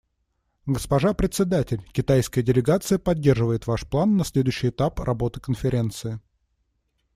Госпожа Председатель, китайская делегация поддерживает ваш план на следующий этап работы Конференции.